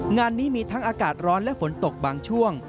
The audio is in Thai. งานนี้มีทั้งอากาศร้อนและฝนตกบางช่วง